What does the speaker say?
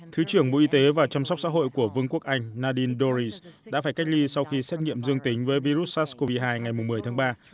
thứ trưởng bộ y tế và chăm sóc xã hội của vương quốc anh nadin doris đã phải cách ly sau khi xét nghiệm dương tính với virus sars cov hai ngày một mươi tháng ba